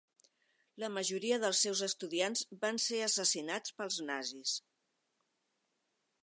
La majoria dels seus estudiants van ser assassinats pels nazis.